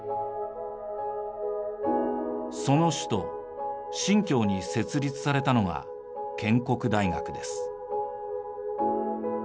その首都新京に設立されたのが建国大学です。